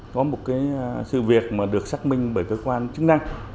có một cái sự việc mà được xác minh bởi cơ quan chức năng